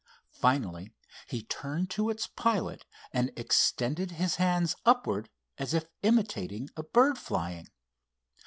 Finally he turned to its pilot, and extended his hands upwards, as if imitating a bird flying.